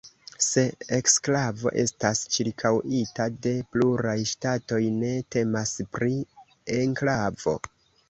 Se eksklavo estas ĉirkaŭita de pluraj ŝtatoj, ne temas pri enklavo.